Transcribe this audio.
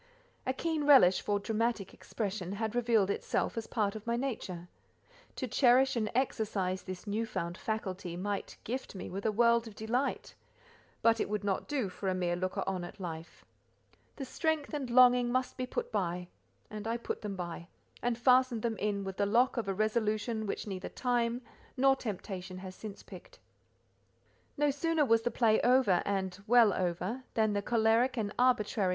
A keen relish for dramatic expression had revealed itself as part of my nature; to cherish and exercise this new found faculty might gift me with a world of delight, but it would not do for a mere looker on at life: the strength and longing must be put by; and I put them by, and fastened them in with the lock of a resolution which neither Time nor Temptation has since picked. No sooner was the play over, and well over, than the choleric and arbitrary M.